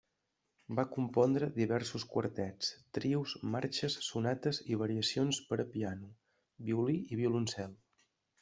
Va compondre diversos quartets, trios, marxes, sonates i variacions per a piano, violí i violoncel.